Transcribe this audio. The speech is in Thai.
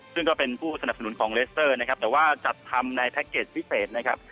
ซึ่งก็เป็นผู้สนับสนุนของเลสเตอร์นะครับแต่ว่าจัดทำในแพ็คเกจพิเศษนะครับ